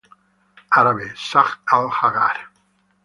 Árabe: San el-Haggar.